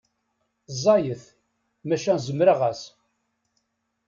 Ẓẓayet maca zemreɣ-as.